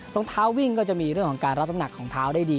รองเท้าวิ่งก็จะมีเรื่องของการรับน้ำหนักของเท้าได้ดี